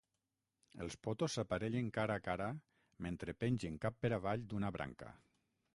Els potos s'aparellen cara a cara mentre pengen cap per avall d'una branca.